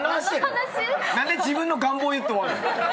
何で自分の願望を言って終わるの。